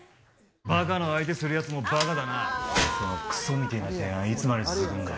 バカの相手するやつもバカだなそのクソみてえな提案いつまで続くんだよ？